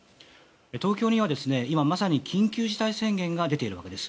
東京には今まさに緊急事態宣言が出ているわけです。